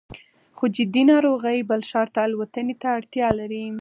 خو جدي ناروغۍ بل ښار ته الوتنې ته اړتیا لري